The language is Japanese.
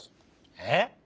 えっ？